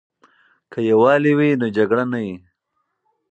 که یووالی وي نو جګړه نه وي.